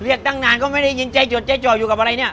ตั้งนานก็ไม่ได้ยินใจจดใจจ่ออยู่กับอะไรเนี่ย